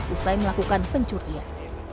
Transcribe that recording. usai melakukan pencurian